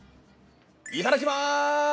いただきます！